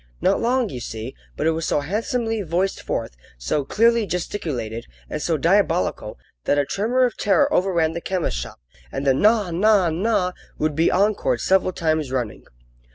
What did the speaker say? Not long, you see; but it was so handsomely voiced forth, so clearly gesticulated, and so diabolical, that a tremor of terror overran the chemist's shop, and the "Naw! naw! naw!" would be encored several times running.